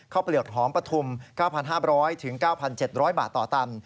เปลือกหอมปฐุม๙๕๐๐๙๗๐๐บาทต่อตัน